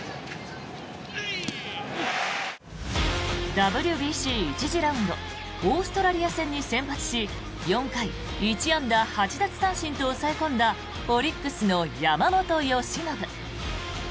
ＷＢＣ１次ラウンドオーストラリア戦に先発し４回１安打８奪三振と抑え込んだオリックスの山本由伸。